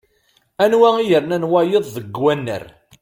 Anwa i yernan wayeḍ deg annar?